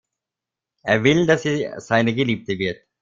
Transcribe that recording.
Er will, dass sie seine Geliebte wird.